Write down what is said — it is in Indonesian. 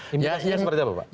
implikasinya seperti apa pak